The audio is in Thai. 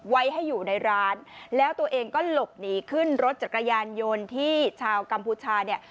ไว้ให้อยู่ในร้านแล้วตัวเองก็หลบหนีขึ้นรถจักรยานยนต์ที่ชาวกัมพูชาเนี่ย